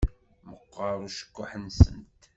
Meqqeṛ ucekkuḥ-nsent.